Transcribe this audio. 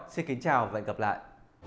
xin kính chào và hẹn gặp lại